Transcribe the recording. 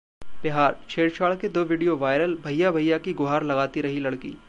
बिहार: छेड़छाड़ के दो वीडियो वायरल, 'भइया, भइया' की गुहार लगाती रही लड़की